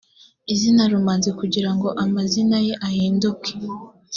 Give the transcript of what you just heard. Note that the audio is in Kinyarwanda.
izina rumanzi kugira ngo amazine ye ahinduke